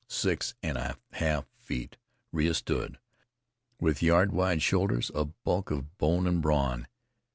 Six and one half feet Rea stood, with yard wide shoulders, a hulk of bone and brawn.